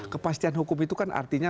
kepastian hukum itu kan artinya